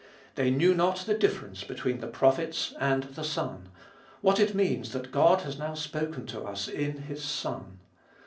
They knew not the difference between the prophets and the Son ; what it means that God has now spoken to us in His Son.